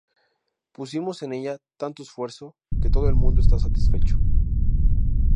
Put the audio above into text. Pusimos en ella tanto esfuerzo que todo el mundo está satisfecho.